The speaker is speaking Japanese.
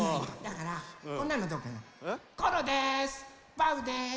バウです。